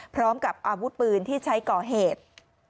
พร้อมกับอาวุธปืนที่ใช้ก่อเหตุ